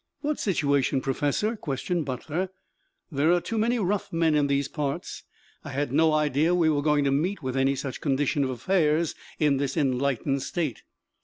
"What situation, Professor?" questioned Butler. "There are too many rough men in these parts. I had no idea we were going to meet with any such condition of affairs in this enlightened state."